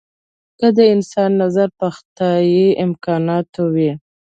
که د انسان نظر په خدايي امکاناتو وي.